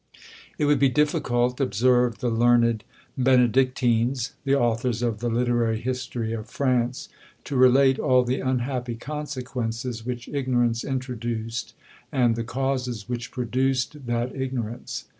It would be difficult, observed the learned Benedictines, the authors of the Literary History of France, to relate all the unhappy consequences which ignorance introduced, and the causes which produced that ignorance.